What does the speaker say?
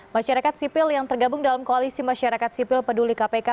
masyarakat sipil yang tergabung dalam koalisi masyarakat sipil peduli kpk